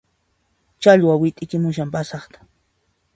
Challwa wit'itimushan pasaqta